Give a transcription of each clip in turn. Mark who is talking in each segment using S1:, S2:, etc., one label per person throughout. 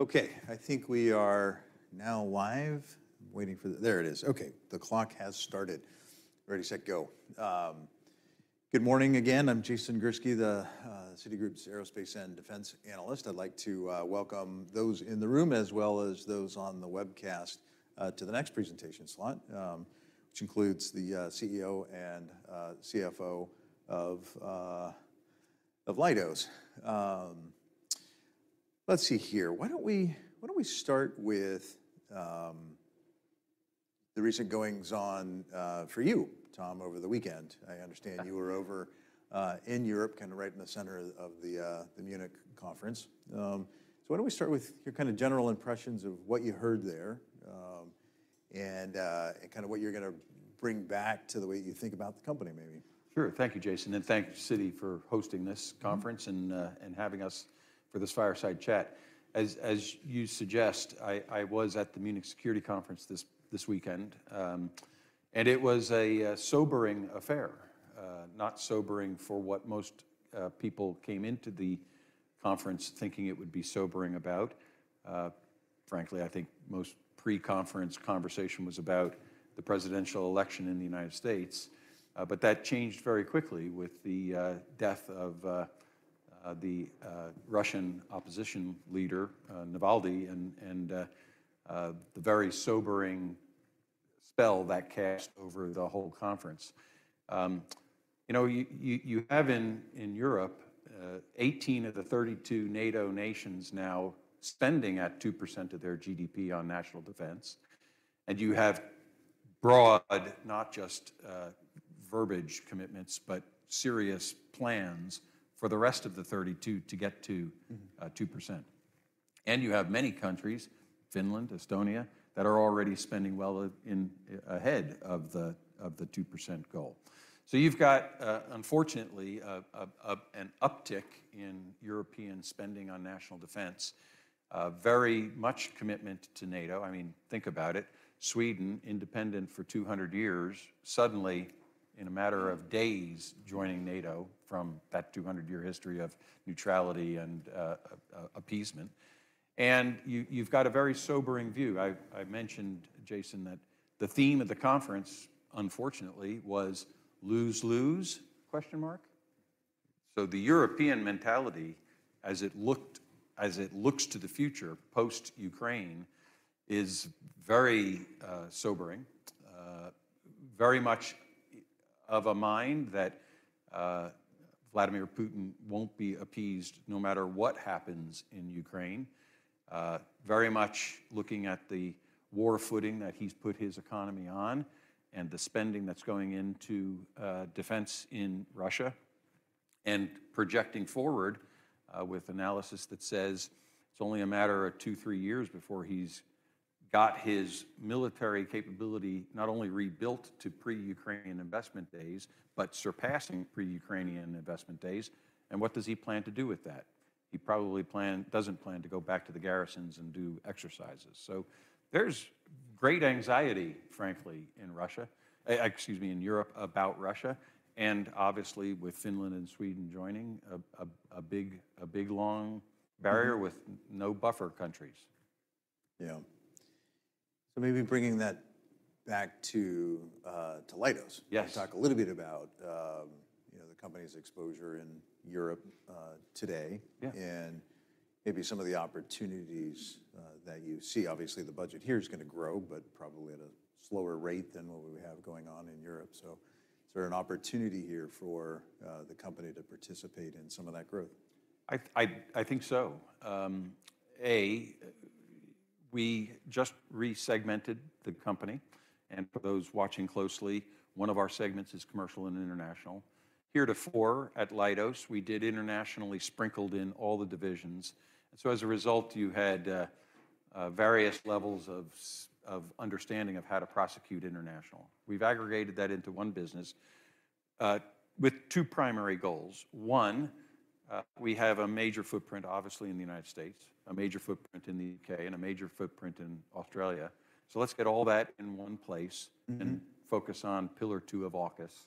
S1: OK, I think we are now live. I'm waiting for the there it is. OK, the clock has started. Ready, set, go. Good morning again. I'm Jason Gursky, the Citigroup's Aerospace and Defense Analyst. I'd like to welcome those in the room as well as those on the webcast to the next presentation slot, which includes the CEO and CFO of Leidos. Let's see here. Why don't we start with the recent goings-on for you, Tom, over the weekend? I understand you were over in Europe, kind of right in the center of the Munich conference. So why don't we start with your kind of general impressions of what you heard there and kind of what you're going to bring back to the way you think about the company, maybe?
S2: Sure. Thank you, Jason. And thank you, Citi, for hosting this conference and having us for this fireside chat. As you suggest, I was at the Munich Security Conference this weekend. And it was a sobering affair, not sobering for what most people came into the conference thinking it would be sobering about. Frankly, I think most pre-conference conversation was about the presidential election in the United States. But that changed very quickly with the death of the Russian opposition leader, Navalny, and the very sobering spell that cast over the whole conference. You have in Europe 18 of the 32 NATO nations now spending at 2% of their GDP on national defense. And you have broad, not just verbiage commitments, but serious plans for the rest of the 32 to get to 2%. And you have many countries, Finland, Estonia, that are already spending well ahead of the 2% goal. So you've got, unfortunately, an uptick in European spending on national defense, very much commitment to NATO. I mean, think about it. Sweden, independent for 200 years, suddenly, in a matter of days, joining NATO from that 200-year history of neutrality and appeasement. And you've got a very sobering view. I mentioned, Jason, that the theme of the conference, unfortunately, was lose-lose? So the European mentality, as it looks to the future post-Ukraine, is very sobering, very much of a mind that Vladimir Putin won't be appeased no matter what happens in Ukraine, very much looking at the war footing that he's put his economy on and the spending that's going into defense in Russia, and projecting forward with analysis that says it's only a matter of two, three years before he's got his military capability not only rebuilt to pre-Ukrainian investment days, but surpassing pre-Ukrainian investment days. And what does he plan to do with that? He probably doesn't plan to go back to the garrisons and do exercises. So there's great anxiety, frankly, in Russia excuse me, in Europe about Russia, and obviously with Finland and Sweden joining, a big, long barrier with no buffer countries.
S1: Yeah. So maybe bringing that back to Leidos.
S2: Yes.
S1: We talked a little bit about the company's exposure in Europe today and maybe some of the opportunities that you see. Obviously, the budget here is going to grow, but probably at a slower rate than what we have going on in Europe. So is there an opportunity here for the company to participate in some of that growth?
S2: I think so. Yeah, we just resegmented the company. For those watching closely, one of our segments is Commercial and International. Heretofore at Leidos, we did internationally sprinkled in all the divisions. As a result, you had various levels of understanding of how to prosecute international. We've aggregated that into one business with two primary goals. One, we have a major footprint, obviously, in the United States, a major footprint in the U.K., and a major footprint in Australia. Let's get all that in one place and focus on Pillar 2 of AUKUS.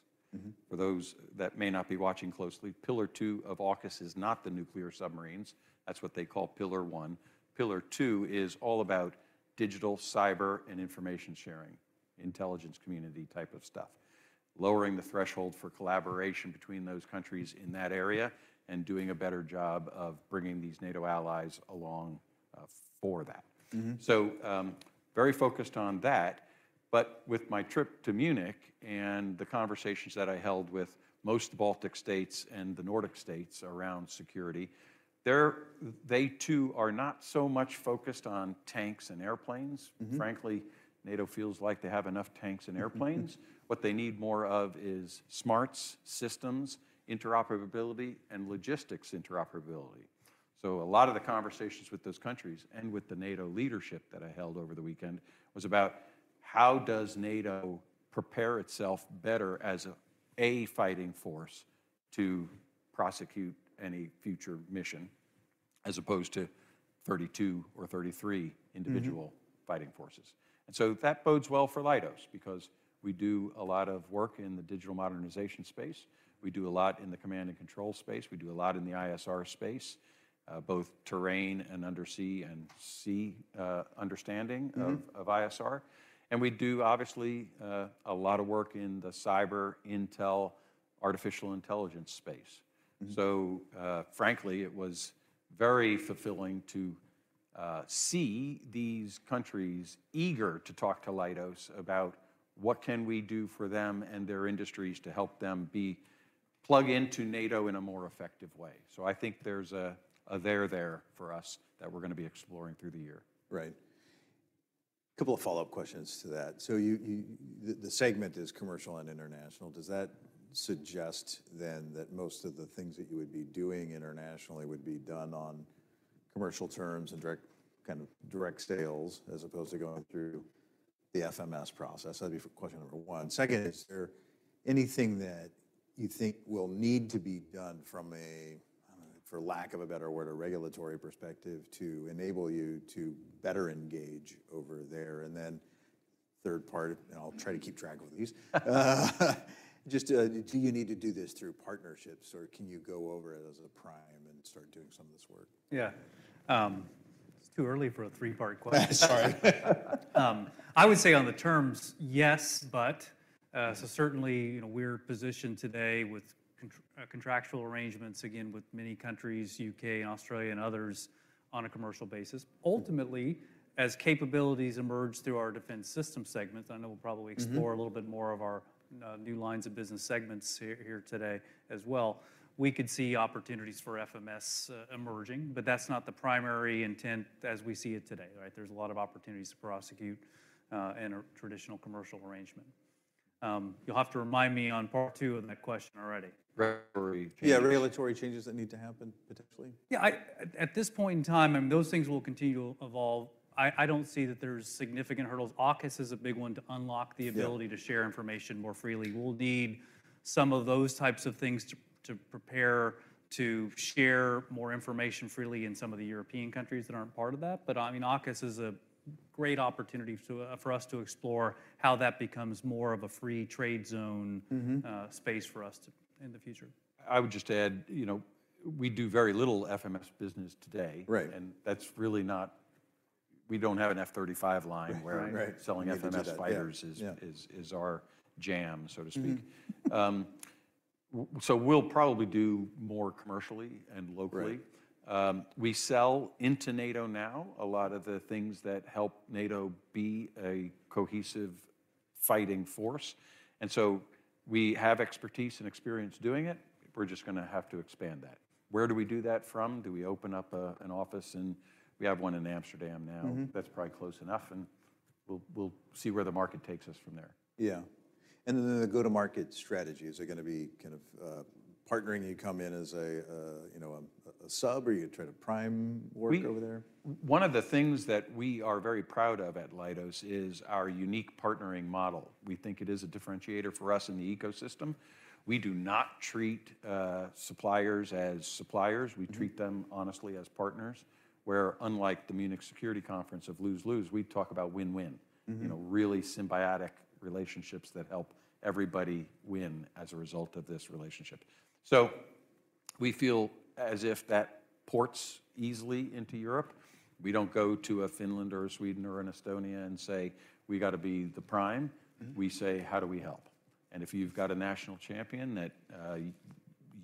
S2: For those that may not be watching closely, Pillar 2 of AUKUS is not the nuclear submarines. That's what they call Pillar 1. Pillar 2 is all about digital, cyber, and information sharing, intelligence community type of stuff, lowering the threshold for collaboration between those countries in that area, and doing a better job of bringing these NATO allies along for that. So very focused on that. But with my trip to Munich and the conversations that I held with most Baltic states and the Nordic states around security, they, too, are not so much focused on tanks and airplanes. Frankly, NATO feels like they have enough tanks and airplanes. What they need more of is smarts, systems, interoperability, and logistics interoperability. So a lot of the conversations with those countries and with the NATO leadership that I held over the weekend was about how does NATO prepare itself better as a fighting force to prosecute any future mission as opposed to 32 or 33 individual fighting forces. And so that bodes well for Leidos because we do a lot of work in the digital modernization space. We do a lot in the command and control space. We do a lot in the ISR space, both terrain and undersea and sea understanding of ISR. And we do, obviously, a lot of work in the cyber, intel, artificial intelligence space. So frankly, it was very fulfilling to see these countries eager to talk to Leidos about what can we do for them and their industries to help them plug into NATO in a more effective way. So I think there's a there there for us that we're going to be exploring through the year.
S1: Right. A couple of follow-up questions to that. So the segment is Commercial and International. Does that suggest, then, that most of the things that you would be doing internationally would be done on commercial terms and kind of direct sales as opposed to going through the FMS process? That'd be question number one. Second, is there anything that you think will need to be done from a, for lack of a better word, a regulatory perspective to enable you to better engage over there? And then third part, and I'll try to keep track of these. Do you need to do this through partnerships, or can you go over it as a prime and start doing some of this work?
S3: Yeah. It's too early for a three-part question.
S1: Sorry.
S3: I would say on the terms, yes, but. So certainly, we're positioned today with contractual arrangements, again, with many countries, U.K., Australia, and others, on a commercial basis. Ultimately, as capabilities emerge through our defense system segments and I know we'll probably explore a little bit more of our new lines of business segments here today as well, we could see opportunities for FMS emerging. But that's not the primary intent as we see it today. There's a lot of opportunities to prosecute in a traditional commercial arrangement. You'll have to remind me on part two of that question already.
S2: Regulatory changes.
S1: Yeah, regulatory changes that need to happen, potentially.
S3: Yeah. At this point in time, I mean, those things will continue to evolve. I don't see that there's significant hurdles. AUKUS is a big one to unlock the ability to share information more freely. We'll need some of those types of things to prepare to share more information freely in some of the European countries that aren't part of that. But I mean, AUKUS is a great opportunity for us to explore how that becomes more of a free trade zone space for us in the future.
S2: I would just add, we do very little FMS business today. And that's really not. We don't have an F-35 line where selling FMS fighters is our jam, so to speak. So we'll probably do more commercially and locally. We sell into NATO now a lot of the things that help NATO be a cohesive fighting force. And so we have expertise and experience doing it. We're just going to have to expand that. Where do we do that from? Do we open up an office in we have one in Amsterdam now. That's probably close enough. And we'll see where the market takes us from there.
S1: Yeah. And then the go-to-market strategies. Are you going to be kind of partnering? You come in as a sub, or are you trying to prime work over there?
S2: One of the things that we are very proud of at Leidos is our unique partnering model. We think it is a differentiator for us in the ecosystem. We do not treat suppliers as suppliers. We treat them, honestly, as partners. Where, unlike the Munich Security Conference of lose-lose, we talk about win-win, really symbiotic relationships that help everybody win as a result of this relationship. So we feel as if that ports easily into Europe. We don't go to a Finland or a Sweden or an Estonia and say, we've got to be the prime. We say, how do we help? And if you've got a national champion that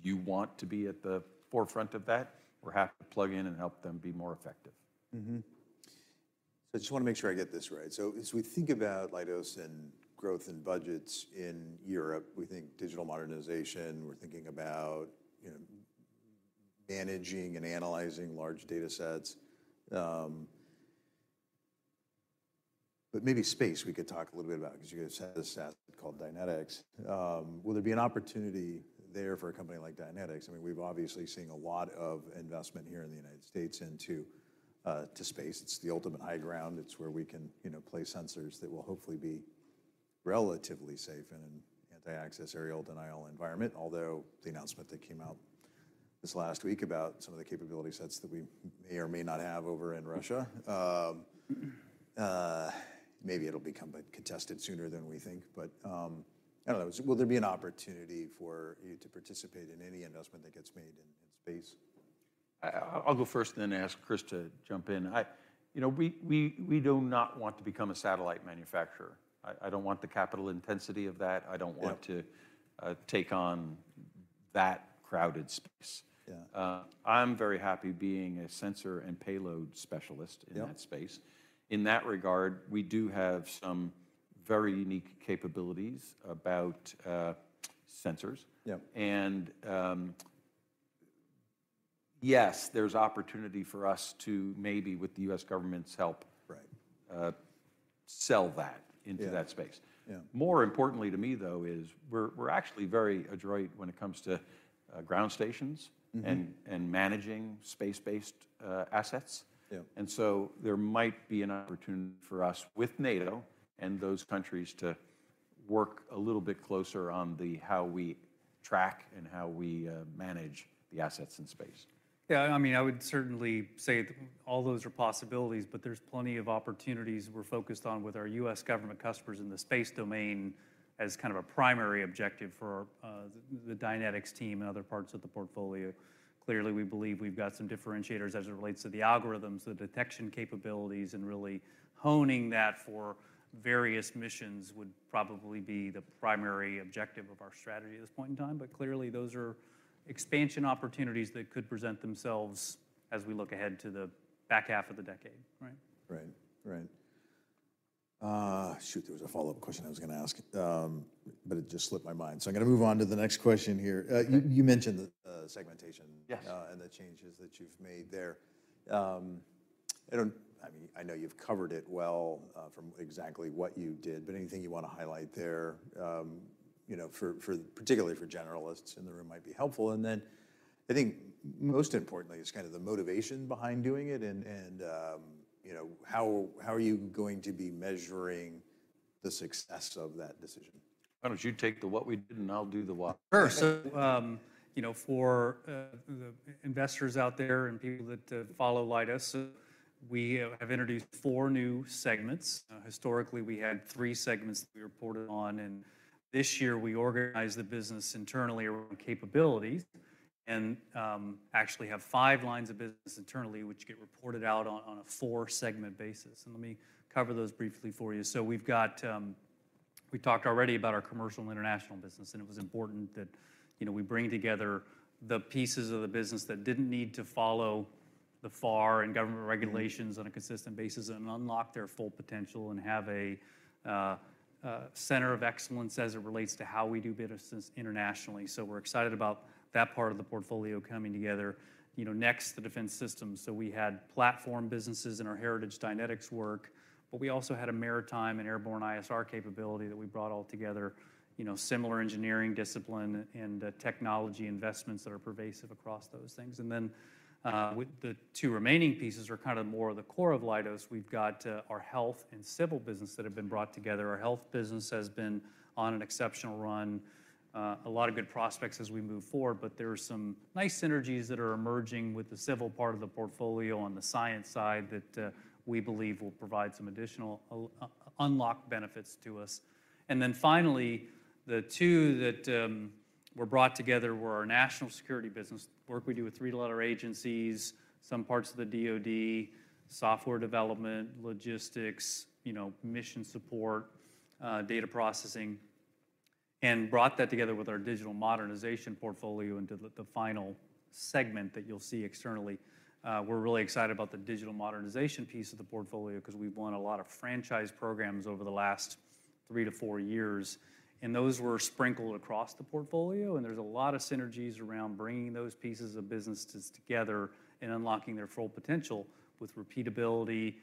S2: you want to be at the forefront of that, we're happy to plug in and help them be more effective.
S1: So I just want to make sure I get this right. So as we think about Leidos and growth and budgets in Europe, we think digital modernization. We're thinking about managing and analyzing large data sets. But maybe space, we could talk a little bit about because you guys have a sub called Dynetics. Will there be an opportunity there for a company like Dynetics? I mean, we've obviously seen a lot of investment here in the United States into space. It's the ultimate high ground. It's where we can place sensors that will hopefully be relatively safe in an anti-access area denial environment, although the announcement that came out this last week about some of the capability sets that we may or may not have over in Russia, maybe it'll become contested sooner than we think. But I don't know. Will there be an opportunity for you to participate in any investment that gets made in space?
S2: I'll go first, then ask Chris to jump in. We do not want to become a satellite manufacturer. I don't want the capital intensity of that. I don't want to take on that crowded space. I'm very happy being a sensor and payload specialist in that space. In that regard, we do have some very unique capabilities about sensors. And yes, there's opportunity for us to, maybe with the U.S. government's help, sell that into that space. More importantly to me, though, is we're actually very adroit when it comes to ground stations and managing space-based assets. And so there might be an opportunity for us with NATO and those countries to work a little bit closer on how we track and how we manage the assets in space.
S3: Yeah. I mean, I would certainly say all those are possibilities. But there's plenty of opportunities we're focused on with our U.S. government customers in the space domain as kind of a primary objective for the Dynetics team and other parts of the portfolio. Clearly, we believe we've got some differentiators as it relates to the algorithms, the detection capabilities, and really honing that for various missions would probably be the primary objective of our strategy at this point in time. But clearly, those are expansion opportunities that could present themselves as we look ahead to the back half of the decade.
S1: Right. Right. Shoot. There was a follow-up question I was going to ask, but it just slipped my mind. So I'm going to move on to the next question here. You mentioned the segmentation and the changes that you've made there. I mean, I know you've covered it well from exactly what you did. But anything you want to highlight there, particularly for generalists in the room, might be helpful. And then I think most importantly is kind of the motivation behind doing it and how are you going to be measuring the success of that decision?
S2: Why don't you take the what we did, and I'll do the what?
S3: Sure. So for the investors out there and people that follow Leidos, we have introduced four new segments. Historically, we had three segments that we reported on. And this year, we organize the business internally around capabilities and actually have five lines of business internally, which get reported out on a four-segment basis. And let me cover those briefly for you. So we've got, we talked already about our Commercial and International business. And it was important that we bring together the pieces of the business that didn't need to follow the FAR and government regulations on a consistent basis and unlock their full potential and have a center of excellence as it relates to how we do business internationally. So we're excited about that part of the portfolio coming together. Next, the Defense Systems. So we had platform businesses in our heritage Dynetics work. But we also had a maritime and airborne ISR capability that we brought all together, similar engineering discipline and technology investments that are pervasive across those things. And then the two remaining pieces are kind of more of the core of Leidos. We've got our Health and Civil business that have been brought together. Our health business has been on an exceptional run, a lot of good prospects as we move forward. But there are some nice synergies that are emerging with the civil part of the portfolio on the science side that we believe will provide some additional unlock benefits to us. Then finally, the two that were brought together were our national security business work we do with three-letter agencies, some parts of the DOD, software development, logistics, mission support, data processing, and brought that together with our Digital Modernization portfolio into the final segment that you'll see externally. We're really excited about the Digital Modernization piece of the portfolio because we've won a lot of franchise programs over the last three to four years. Those were sprinkled across the portfolio. There's a lot of synergies around bringing those pieces of business together and unlocking their full potential with repeatability,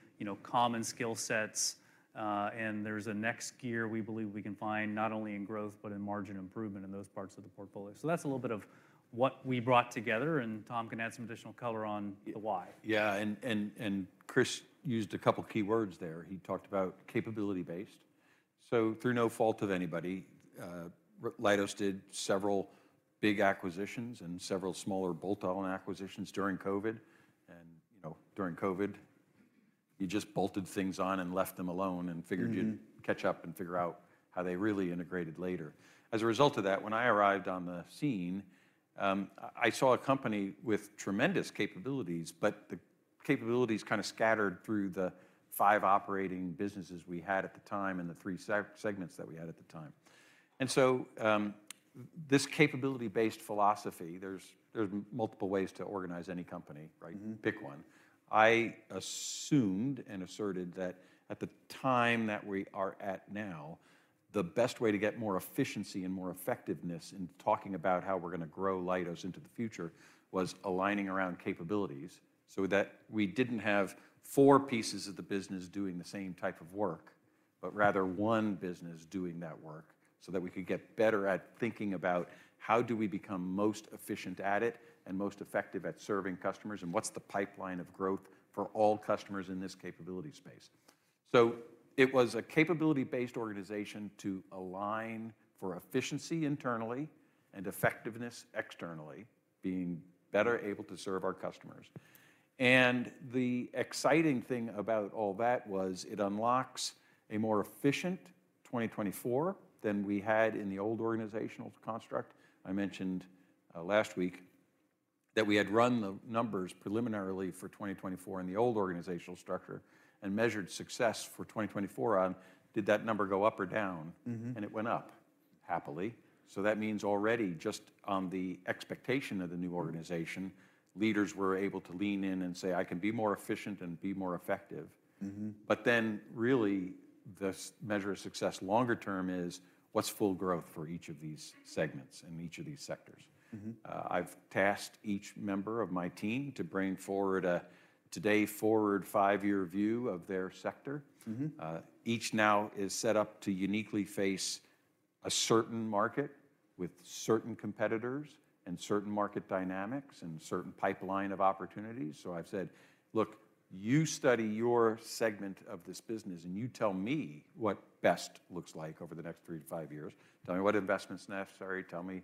S3: common skill sets. There's a next gear we believe we can find not only in growth but in margin improvement in those parts of the portfolio. So that's a little bit of what we brought together. And Tom can add some additional color on the why.
S2: Yeah. And Chris used a couple key words there. He talked about capability-based. So through no fault of anybody, Leidos did several big acquisitions and several smaller bolt-on acquisitions during COVID. And during COVID, you just bolted things on and left them alone and figured you'd catch up and figure out how they really integrated later. As a result of that, when I arrived on the scene, I saw a company with tremendous capabilities. But the capabilities kind of scattered through the five operating businesses we had at the time and the three segments that we had at the time. And so this capability-based philosophy, there's multiple ways to organize any company. Pick one. I assumed and asserted that at the time that we are at now, the best way to get more efficiency and more effectiveness in talking about how we're going to grow Leidos into the future was aligning around capabilities so that we didn't have four pieces of the business doing the same type of work but rather one business doing that work so that we could get better at thinking about how do we become most efficient at it and most effective at serving customers? What's the pipeline of growth for all customers in this capability space? It was a capability-based organization to align for efficiency internally and effectiveness externally, being better able to serve our customers. The exciting thing about all that was it unlocks a more efficient 2024 than we had in the old organizational construct. I mentioned last week that we had run the numbers preliminarily for 2024 in the old organizational structure and measured success for 2024 on, did that number go up or down? And it went up, happily. So that means already just on the expectation of the new organization, leaders were able to lean in and say, I can be more efficient and be more effective. But then really, the measure of success longer term is what's full growth for each of these segments and each of these sectors. I've tasked each member of my team to bring forward a today forward five-year view of their sector. Each now is set up to uniquely face a certain market with certain competitors and certain market dynamics and certain pipeline of opportunities. So I've said, look, you study your segment of this business. And you tell me what best looks like over the next three to five years. Tell me what investment's necessary. Tell me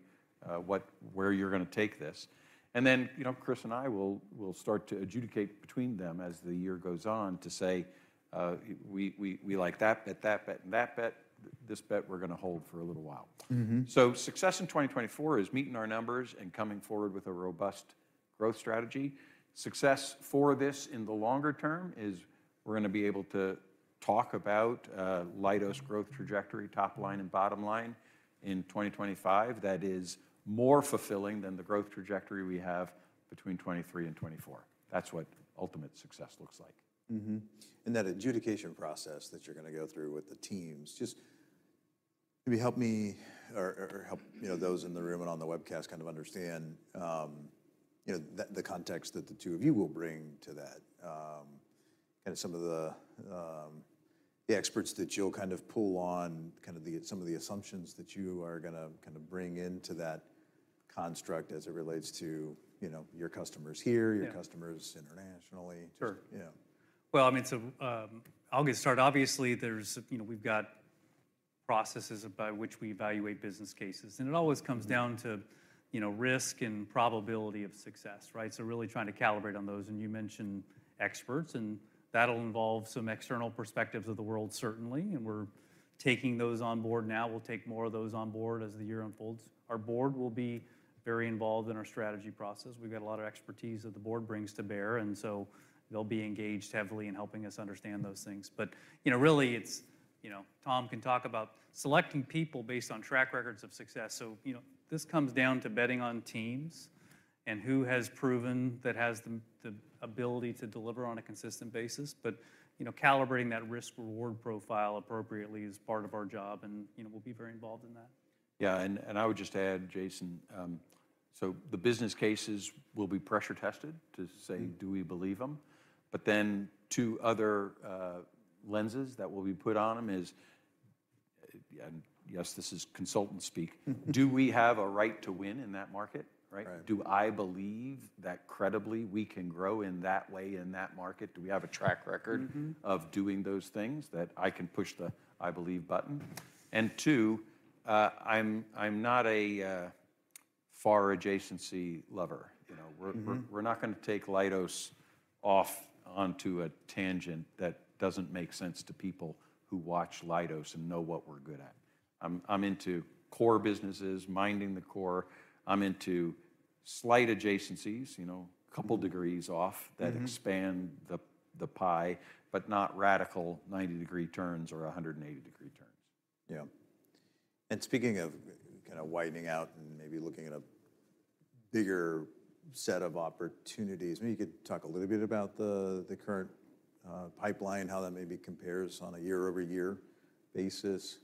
S2: where you're going to take this. And then Chris and I will start to adjudicate between them as the year goes on to say, we like that bet, that bet, and that bet. This bet we're going to hold for a little while. So success in 2024 is meeting our numbers and coming forward with a robust growth strategy. Success for this in the longer term is we're going to be able to talk about Leidos' growth trajectory, top line and bottom line, in 2025 that is more fulfilling than the growth trajectory we have between 2023 and 2024. That's what ultimate success looks like.
S1: That adjudication process that you're going to go through with the teams, just maybe help me or help those in the room and on the webcast kind of understand the context that the two of you will bring to that, kind of some of the experts that you'll kind of pull on, kind of some of the assumptions that you are going to kind of bring into that construct as it relates to your customers here, your customers internationally.
S3: Well, I mean, so I'll get started. Obviously, we've got processes by which we evaluate business cases. And it always comes down to risk and probability of success. So really trying to calibrate on those. And you mentioned experts. And that'll involve some external perspectives of the world, certainly. And we're taking those on board now. We'll take more of those on board as the year unfolds. Our board will be very involved in our strategy process. We've got a lot of expertise that the board brings to bear. And so they'll be engaged heavily in helping us understand those things. But really, it's Tom can talk about selecting people based on track records of success. So this comes down to betting on teams and who has proven that has the ability to deliver on a consistent basis. But calibrating that risk-reward profile appropriately is part of our job. We'll be very involved in that.
S2: Yeah. And I would just add, Jason, so the business cases will be pressure tested to say, do we believe them? But then two other lenses that will be put on them is and yes, this is consultant speak. Do we have a right to win in that market? Do I believe that credibly we can grow in that way in that market? Do we have a track record of doing those things that I can push the I believe button? And two, I'm not a FAR adjacency lover. We're not going to take Leidos off onto a tangent that doesn't make sense to people who watch Leidos and know what we're good at. I'm into core businesses, minding the core. I'm into slight adjacencies, a couple degrees off that expand the pie but not radical 90-degree turns or 180-degree turns.
S1: Yeah. And speaking of kind of widening out and maybe looking at a bigger set of opportunities, maybe you could talk a little bit about the current pipeline, how that maybe compares on a year-over-year basis,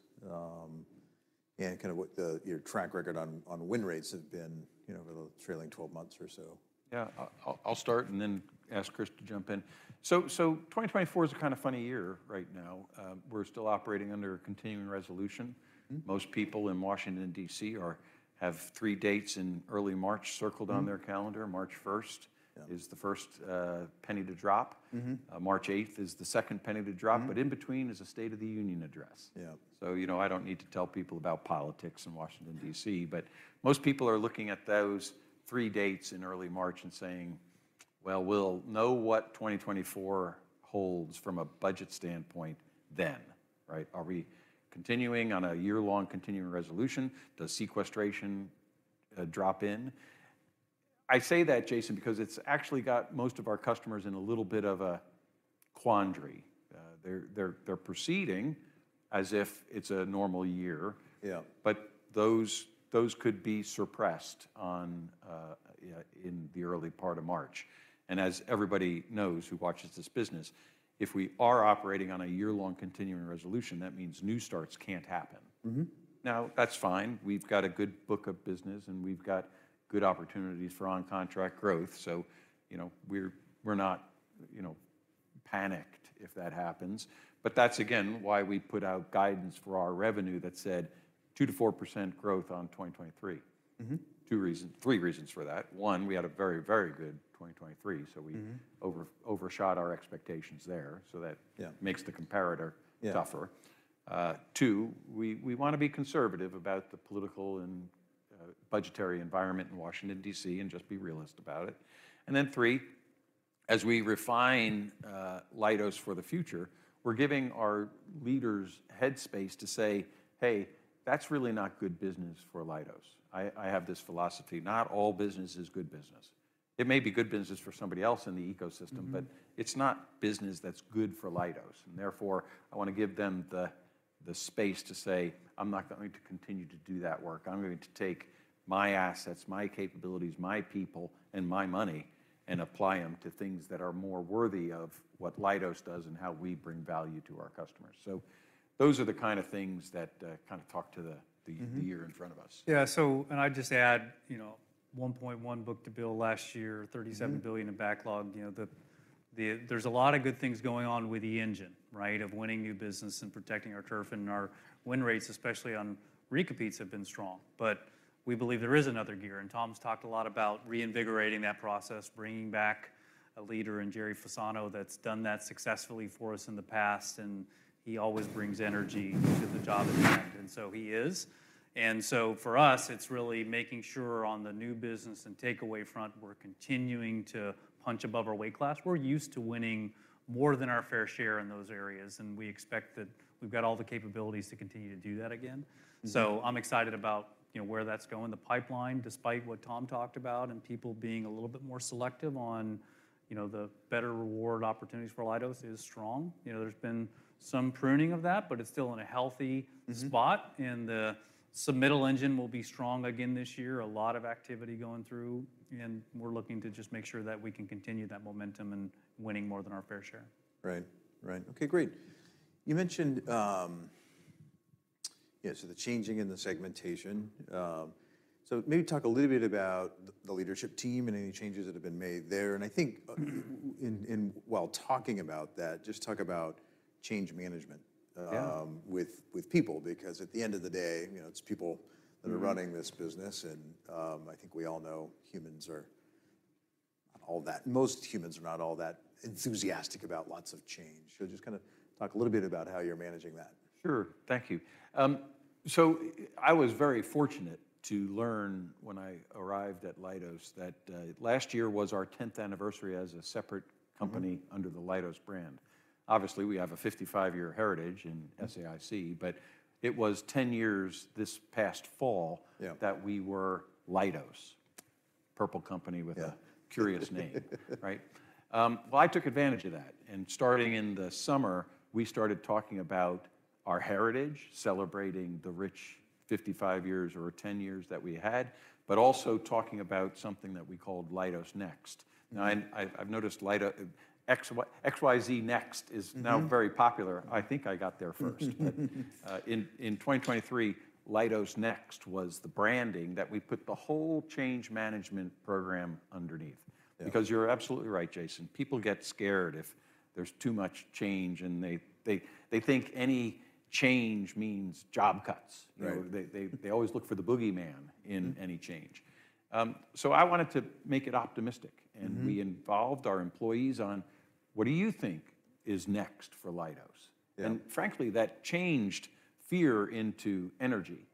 S1: and kind of what your track record on win rates have been over the trailing 12 months or so?
S2: Yeah. I'll start and then ask Chris to jump in. So 2024 is a kind of funny year right now. We're still operating under a continuing resolution. Most people in Washington, D.C. have three dates in early March circled on their calendar. March 1 is the first penny to drop. March 8 is the second penny to drop. But in between is a State of the Union address. So I don't need to tell people about politics in Washington, D.C. But most people are looking at those three dates in early March and saying, well, we'll know what 2024 holds from a budget standpoint then. Are we continuing on a year-long continuing resolution? Does sequestration drop in? I say that, Jason, because it's actually got most of our customers in a little bit of a quandary. They're proceeding as if it's a normal year. But those could be suppressed in the early part of March. As everybody knows who watches this business, if we are operating on a year-long continuing resolution, that means new starts can't happen. Now, that's fine. We've got a good book of business. And we've got good opportunities for on-contract growth. So we're not panicked if that happens. But that's, again, why we put out guidance for our revenue that said 2%-4% growth on 2023, three reasons for that. One, we had a very, very good 2023. So we overshot our expectations there. So that makes the comparator tougher. Two, we want to be conservative about the political and budgetary environment in Washington, D.C. and just be realist about it. And then three, as we refine Leidos for the future, we're giving our leaders headspace to say, hey, that's really not good business for Leidos. I have this philosophy. Not all business is good business. It may be good business for somebody else in the ecosystem. But it's not business that's good for Leidos. And therefore, I want to give them the space to say, I'm not going to continue to do that work. I'm going to take my assets, my capabilities, my people, and my money and apply them to things that are more worthy of what Leidos does and how we bring value to our customers. So those are the kind of things that kind of talk to the year in front of us.
S3: Yeah. I'd just add 1.1 book-to-bill last year, $37 billion in backlog. There's a lot of good things going on with the engine of winning new business and protecting our turf and our win rates, especially on recompetes, have been strong. But we believe there is another gear. Tom's talked a lot about reinvigorating that process, bringing back a leader and Gerry Fasano that's done that successfully for us in the past. He always brings energy to the job at hand. And so he is. For us, it's really making sure on the new business and takeaway front, we're continuing to punch above our weight class. We're used to winning more than our fair share in those areas. And we expect that we've got all the capabilities to continue to do that again. So I'm excited about where that's going. The pipeline, despite what Tom talked about and people being a little bit more selective on the better reward opportunities for Leidos, is strong. There's been some pruning of that. It's still in a healthy spot. The submittal engine will be strong again this year, a lot of activity going through. We're looking to just make sure that we can continue that momentum and winning more than our fair share.
S1: Right. OK, great. You mentioned so the changing in the segmentation. So maybe talk a little bit about the leadership team and any changes that have been made there. And I think while talking about that, just talk about change management with people because at the end of the day, it's people that are running this business. And I think we all know most humans are not all that enthusiastic about lots of change. So just kind of talk a little bit about how you're managing that.
S2: Sure. Thank you. So I was very fortunate to learn when I arrived at Leidos that last year was our 10th anniversary as a separate company under the Leidos brand. Obviously, we have a 55-year heritage in SAIC. But it was 10 years this past fall that we were Leidos, purple company with a curious name. Well, I took advantage of that. And starting in the summer, we started talking about our heritage, celebrating the rich 55 years or 10 years that we had, but also talking about something that we called Leidos Next. Now, I've noticed XYZ Next is now very popular. I think I got there first. But in 2023, Leidos Next was the branding that we put the whole change management program underneath. Because you're absolutely right, Jason. People get scared if there's too much change. And they think any change means job cuts. They always look for the boogeyman in any change. So I wanted to make it optimistic. And we involved our employees on, what do you think is next for Leidos? And frankly, that changed fear into energy.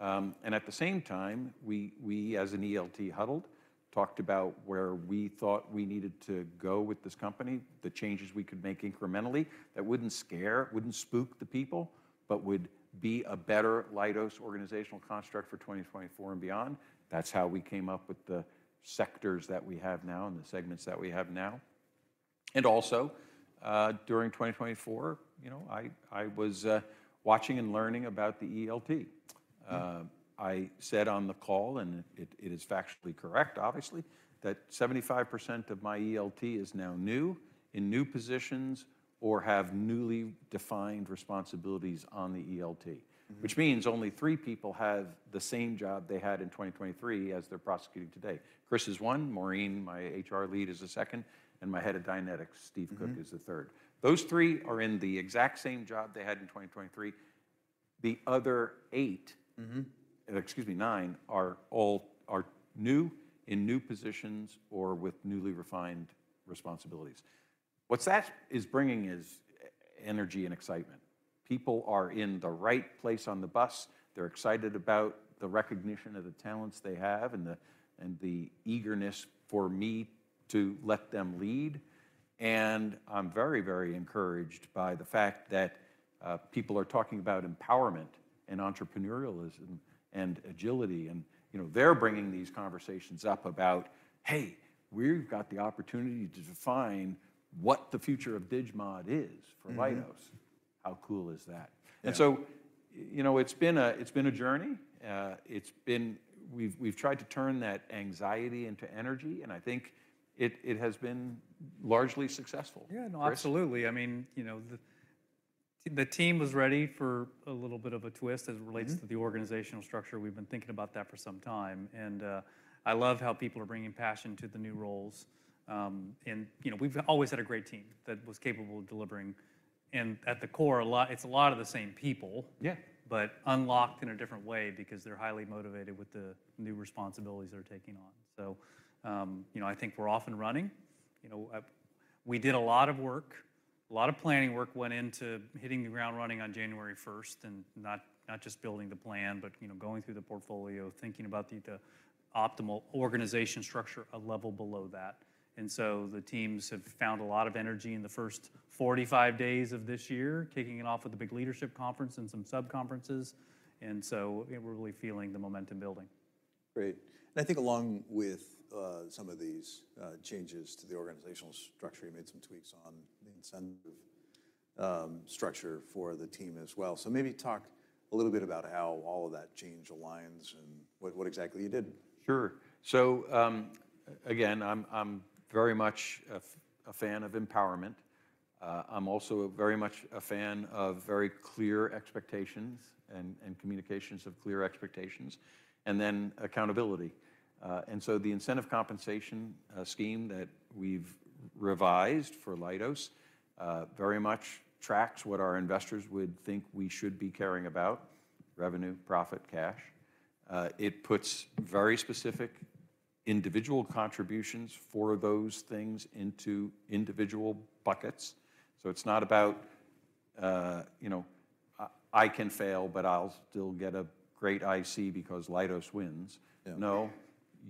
S2: And at the same time, we, as an ELT huddled, talked about where we thought we needed to go with this company, the changes we could make incrementally that wouldn't scare, wouldn't spook the people, but would be a better Leidos organizational construct for 2024 and beyond. That's how we came up with the sectors that we have now and the segments that we have now. And also during 2024, I was watching and learning about the ELT. I said on the call and it is factually correct, obviously, that 75% of my ELT is now new in new positions or have newly defined responsibilities on the ELT, which means only three people have the same job they had in 2023 as they're prosecuting today. Chris is one. Maureen, my HR lead, is a second. My head of Dynetics, Steve Cook, is the third. Those three are in the exact same job they had in 2023. The other eight, excuse me, nine, are new in new positions or with newly refined responsibilities. What that is bringing is energy and excitement. People are in the right place on the bus. They're excited about the recognition of the talents they have and the eagerness for me to let them lead. I'm very, very encouraged by the fact that people are talking about empowerment and entrepreneurialism and agility. They're bringing these conversations up about, hey, we've got the opportunity to define what the future of DigMod is for Leidos. How cool is that? So it's been a journey. We've tried to turn that anxiety into energy. I think it has been largely successful.
S3: Yeah, no, absolutely. I mean, the team was ready for a little bit of a twist as it relates to the organizational structure. We've been thinking about that for some time. And I love how people are bringing passion to the new roles. And we've always had a great team that was capable of delivering. And at the core, it's a lot of the same people but unlocked in a different way because they're highly motivated with the new responsibilities they're taking on. So I think we're off and running. We did a lot of work. A lot of planning work went into hitting the ground running on January 1 and not just building the plan but going through the portfolio, thinking about the optimal organizational structure a level below that. So the teams have found a lot of energy in the first 45 days of this year, kicking it off with the big leadership conference and some sub-conferences. So we're really feeling the momentum building.
S1: Great. And I think along with some of these changes to the organizational structure, you made some tweaks on the incentive structure for the team as well. So maybe talk a little bit about how all of that change aligns and what exactly you did?
S2: Sure. So again, I'm very much a fan of empowerment. I'm also very much a fan of very clear expectations and communications of clear expectations and then accountability. And so the incentive compensation scheme that we've revised for Leidos very much tracks what our investors would think we should be caring about, revenue, profit, cash. It puts very specific individual contributions for those things into individual buckets. So it's not about, I can fail, but I'll still get a great IC because Leidos wins. No,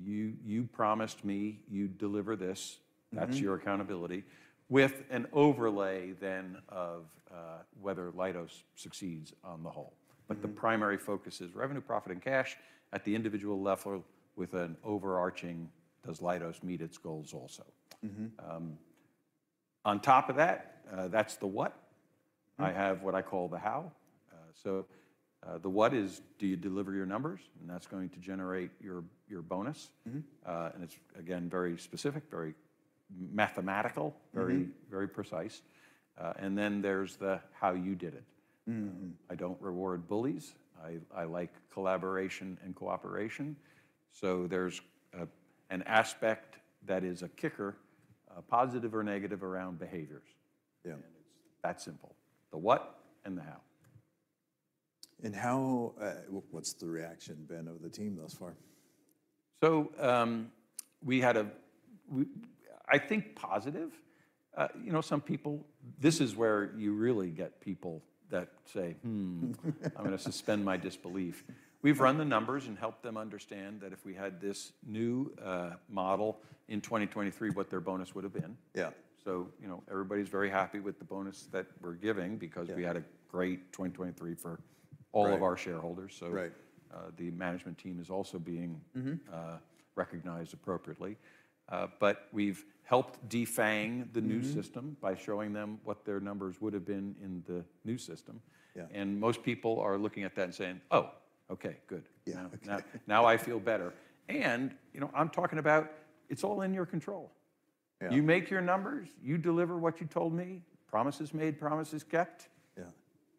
S2: you promised me you'd deliver this. That's your accountability with an overlay then of whether Leidos succeeds on the whole. But the primary focus is revenue, profit, and cash at the individual level with an overarching, does Leidos meet its goals also? On top of that, that's the what. I have what I call the how. So the what is, do you deliver your numbers? And that's going to generate your bonus. And it's, again, very specific, very mathematical, very precise. And then there's the how you did it. I don't reward bullies. I like collaboration and cooperation. So there's an aspect that is a kicker, positive or negative, around behaviors. And that's simple, the what and the how.
S1: What's the reaction been of the team thus far?
S2: So I think positive. Some people, this is where you really get people that say, I'm going to suspend my disbelief. We've run the numbers and helped them understand that if we had this new model in 2023, what their bonus would have been. So everybody's very happy with the bonus that we're giving because we had a great 2023 for all of our shareholders. So the management team is also being recognized appropriately. But we've helped defang the new system by showing them what their numbers would have been in the new system. And most people are looking at that and saying, oh, OK, good. Now I feel better. And I'm talking about, it's all in your control. You make your numbers. You deliver what you told me. Promises made, promises kept.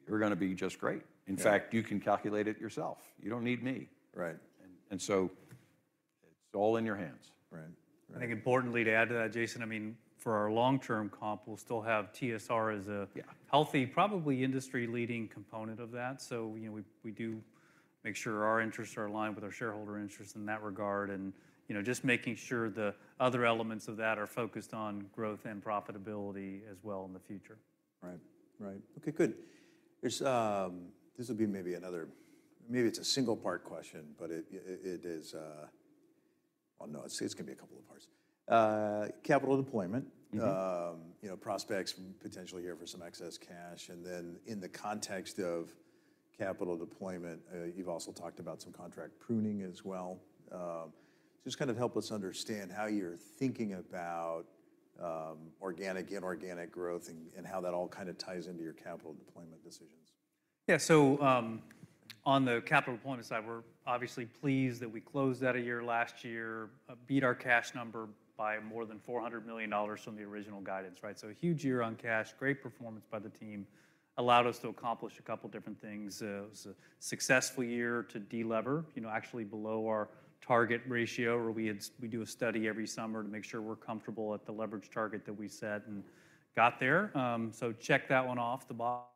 S2: You're going to be just great. In fact, you can calculate it yourself. You don't need me. It's all in your hands.
S3: I think importantly to add to that, Jason, I mean, for our long-term comp, we'll still have TSR as a healthy, probably industry-leading component of that. So we do make sure our interests are aligned with our shareholder interests in that regard and just making sure the other elements of that are focused on growth and profitability as well in the future.
S1: Right. OK, good. This will be maybe another. Maybe it's a single-part question. But it is, well, no, it's going to be a couple of parts. Capital deployment, prospects potentially here for some excess cash. And then in the context of capital deployment, you've also talked about some contract pruning as well. So just kind of help us understand how you're thinking about organic, inorganic growth and how that all kind of ties into your capital deployment decisions.
S3: Yeah, so on the capital deployment side, we're obviously pleased that we closed the year last year, beat our cash number by more than $400 million from the original guidance. So a huge year on cash, great performance by the team, allowed us to accomplish a couple of different things. It was a successful year to delever, actually below our target ratio, where we do a study every summer to make sure we're comfortable at the leverage target that we set and got there. So check that one off, the box.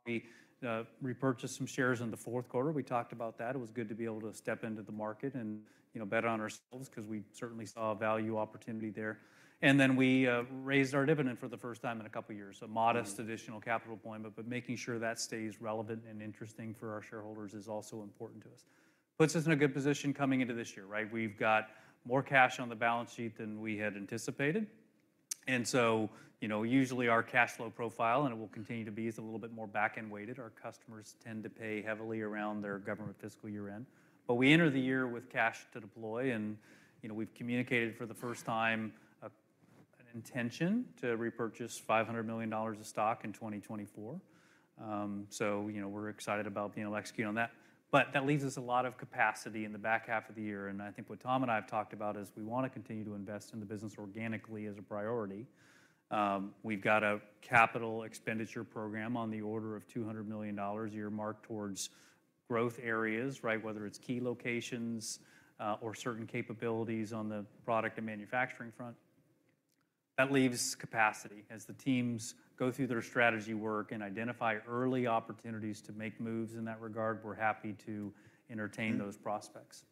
S3: Repurchased some shares in the fourth quarter. We talked about that. It was good to be able to step into the market and bet on ourselves because we certainly saw a value opportunity there. And then we raised our dividend for the first time in a couple of years, a modest additional capital deployment. But making sure that stays relevant and interesting for our shareholders is also important to us. Puts us in a good position coming into this year. We've got more cash on the balance sheet than we had anticipated. And so usually our cash flow profile, and it will continue to be, is a little bit more back-end weighted. Our customers tend to pay heavily around their government fiscal year-end. But we enter the year with cash to deploy. And we've communicated for the first time an intention to repurchase $500 million of stock in 2024. So we're excited about being able to execute on that. But that leaves us a lot of capacity in the back half of the year. And I think what Tom and I have talked about is we want to continue to invest in the business organically as a priority. We've got a capital expenditure program on the order of $200 million a year marked towards growth areas, whether it's key locations or certain capabilities on the product and manufacturing front. That leaves capacity. As the teams go through their strategy work and identify early opportunities to make moves in that regard, we're happy to entertain those prospects.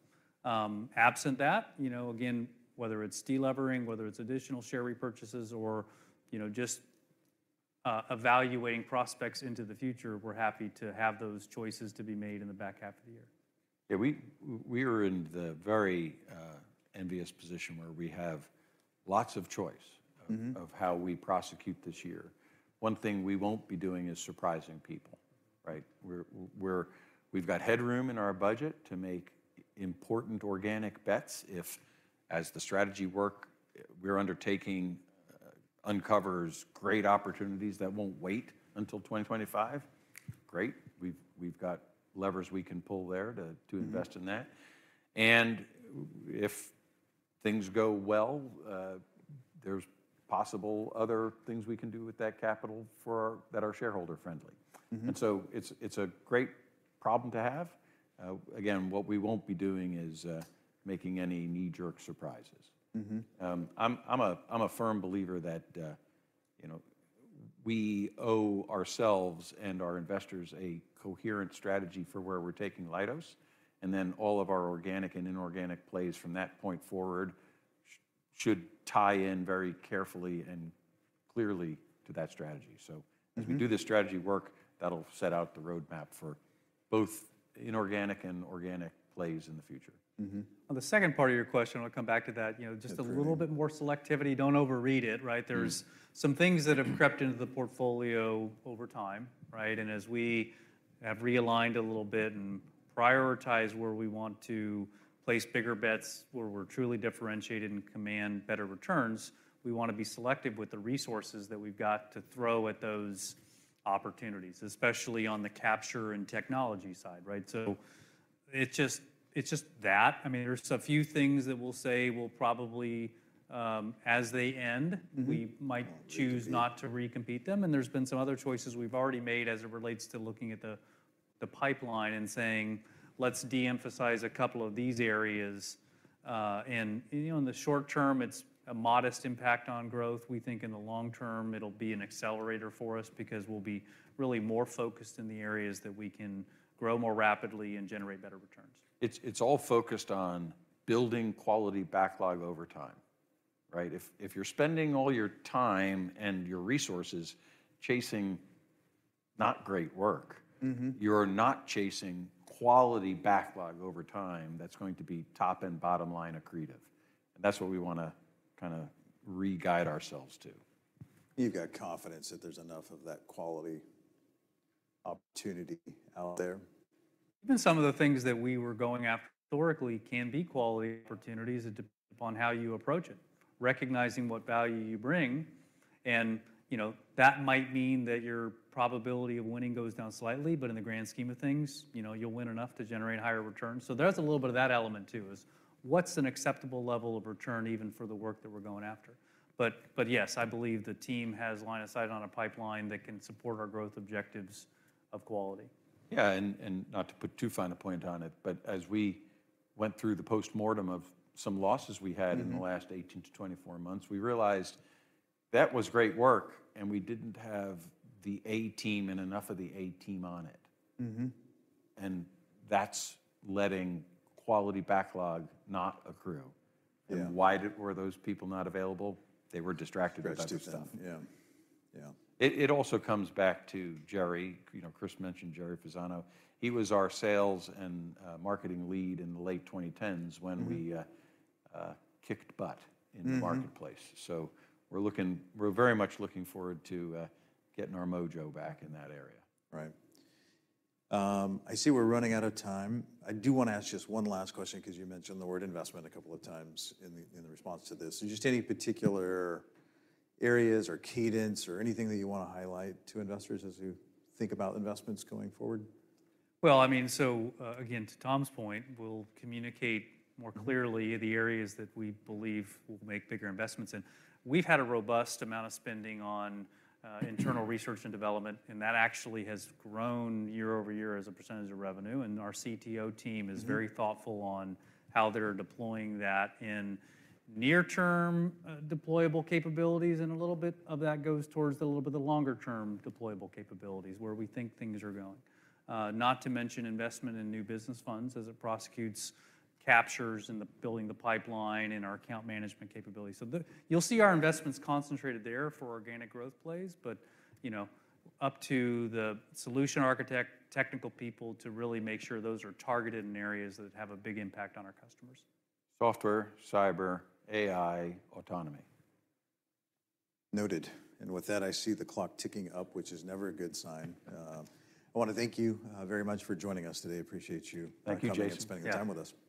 S3: Absent that, again, whether it's delevering, whether it's additional share repurchases, or just evaluating prospects into the future, we're happy to have those choices to be made in the back half of the year.
S2: Yeah, we are in the very envious position where we have lots of choice of how we prosecute this year. One thing we won't be doing is surprising people. We've got headroom in our budget to make important organic bets. If, as the strategy work we're undertaking uncovers great opportunities that won't wait until 2025, great. We've got levers we can pull there to invest in that. And if things go well, there's possible other things we can do with that capital that are shareholder-friendly. And so it's a great problem to have. Again, what we won't be doing is making any knee-jerk surprises. I'm a firm believer that we owe ourselves and our investors a coherent strategy for where we're taking Leidos. And then all of our organic and inorganic plays from that point forward should tie in very carefully and clearly to that strategy. As we do this strategy work, that'll set out the roadmap for both inorganic and organic plays in the future.
S3: On the second part of your question, I'll come back to that, just a little bit more selectivity. Don't overread it. There's some things that have crept into the portfolio over time. As we have realigned a little bit and prioritized where we want to place bigger bets, where we're truly differentiated and command better returns, we want to be selective with the resources that we've got to throw at those opportunities, especially on the capture and technology side. It's just that. I mean, there's a few things that we'll say will probably, as they end, we might choose not to recompete them. There's been some other choices we've already made as it relates to looking at the pipeline and saying, let's de-emphasize a couple of these areas. In the short-term, it's a modest impact on growth. We think in the long-term, it'll be an accelerator for us because we'll be really more focused in the areas that we can grow more rapidly and generate better returns.
S2: It's all focused on building quality backlog over time. If you're spending all your time and your resources chasing not great work, you're not chasing quality backlog over time that's going to be top and bottom line accretive. That's what we want to kind of re-guide ourselves to.
S1: You've got confidence that there's enough of that quality opportunity out there?
S3: Even some of the things that we were going after historically can be quality opportunities. It depends upon how you approach it, recognizing what value you bring. That might mean that your probability of winning goes down slightly. In the grand scheme of things, you'll win enough to generate higher returns. There's a little bit of that element too: what's an acceptable level of return even for the work that we're going after? Yes, I believe the team has line of sight on a pipeline that can support our growth objectives of quality.
S2: Yeah, and not to put too fine a point on it, but as we went through the postmortem of some losses we had in the last 18-24 months, we realized that was great work. And we didn't have the A team and enough of the A team on it. And that's letting quality backlog not accrue. And why were those people not available? They were distracted by business. It also comes back to Gerry. Chris mentioned Gerry Fasano. He was our sales and marketing lead in the late 2010s when we kicked butt in the marketplace. So we're very much looking forward to getting our mojo back in that area.
S1: Right. I see we're running out of time. I do want to ask just one last question because you mentioned the word investment a couple of times in the response to this. Just any particular areas or cadence or anything that you want to highlight to investors as you think about investments going forward?
S3: Well, I mean, so again, to Tom's point, we'll communicate more clearly the areas that we believe will make bigger investments in. We've had a robust amount of spending on internal research and development. And that actually has grown year-over-year as a percentage of revenue. And our CTO team is very thoughtful on how they're deploying that in near-term deployable capabilities. And a little bit of that goes towards the little bit of the longer-term deployable capabilities where we think things are going, not to mention investment in new business funds as it prosecutes captures and building the pipeline and our account management capability. So you'll see our investments concentrated there for organic growth plays. But up to the solution architect, technical people to really make sure those are targeted in areas that have a big impact on our customers.
S2: Software, cyber, AI, autonomy.
S1: Noted. And with that, I see the clock ticking up, which is never a good sign. I want to thank you very much for joining us today. Appreciate you coming and spending the time with us.
S2: Thank you, Jason.